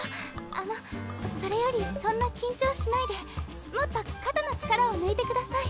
あのそれよりそんな緊張しないでもっと肩の力を抜いてください。